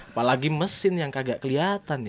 apalagi mesin yang kagak keliatan ya